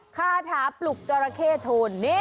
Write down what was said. ค่าถาปลุกจอระเข้โทนนี่